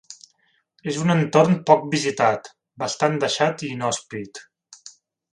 És un entorn poc visitat, bastant deixat i inhòspit.